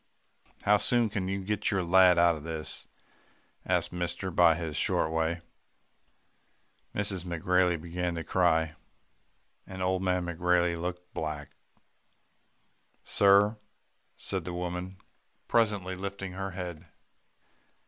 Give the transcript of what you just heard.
"'How soon can you get your lad out of this?' asked mister in his short way. "Mrs. McGrailey began to cry, and old man McGrailey looked black. "'Sir,' said the woman presently lifting her head.